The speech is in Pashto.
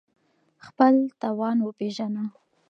خپل توان وپېژنه